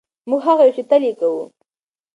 موږ هغه یو چې تل یې کوو.